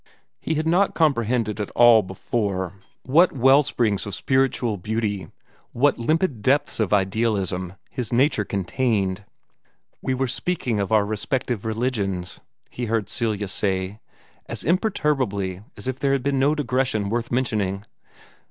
He had not comprehended at all before what wellsprings of spiritual beauty, what limpid depths of idealism, his nature contained. "We were speaking of our respective religions," he heard Celia say, as imperturbably as if there had been no digression worth mentioning.